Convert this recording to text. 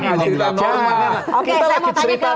norma oke saya mau tanya ke om mas ison dulu